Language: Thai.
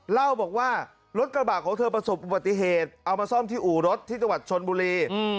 เล่าบอกว่ารถกระบะของเธอประสบอุบัติเหตุเอามาซ่อมที่อู่รถที่จังหวัดชนบุรี